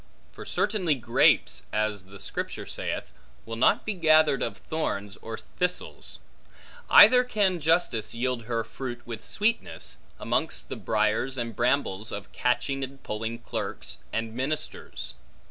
For certainly grapes (as the Scripture saith) will not be gathered of thorns or thistles; neither can justice yield her fruit with sweetness, amongst the briars and brambles of catching and polling clerks, and ministers.